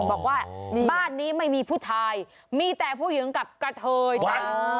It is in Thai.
บอกว่าบ้านนี้ไม่มีผู้ชายมีแต่ผู้หญิงกับกระเทยจ้ะ